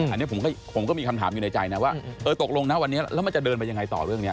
อันนี้ผมก็มีคำถามอยู่ในใจนะว่าเออตกลงนะวันนี้แล้วมันจะเดินไปยังไงต่อเรื่องนี้